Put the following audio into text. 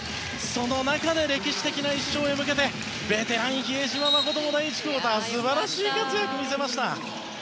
その中で歴史的な１勝へ向けてベテラン比江島慎も第１クオーター素晴らしい活躍でした。